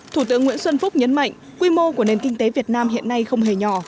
thủ tướng nguyễn xuân phúc nhấn mạnh quy mô của nền kinh tế việt nam hiện nay không hề nhỏ